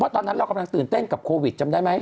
ตอนนั้นเรากำลังตื่นเต้นกับโควิดจำได้ไหม